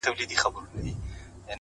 • له دښتونو خالي لاس نه وو راغلی ,